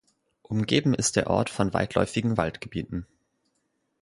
Umgeben ist der Ort von weitläufigen Waldgebieten.